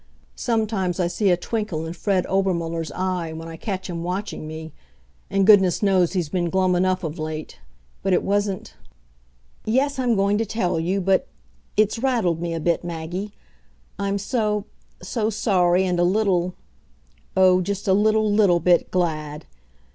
Sometimes I see a twinkle in Fred Obermuller's eye when I catch him watching me, and goodness knows he's been glum enough of late, but it wasn't Yes, I'm going to tell you, but it's rattled me a bit, Maggie. I'm so so sorry, and a little oh, just a little, little bit glad!